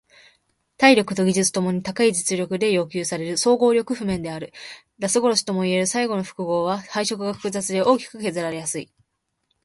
体力と技術共に高い実力で要求される総合力譜面である。ラス殺しともいえる最後の複合は配色が複雑で大きく削られやすい。